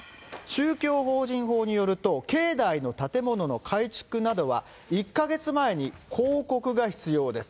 宗教法人法によると、境内の建物の改築などは１か月前に公告が必要です。